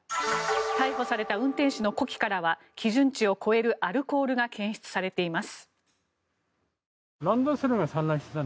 逮捕された運転手の呼気からは基準値を超えるアルコールが検出されています。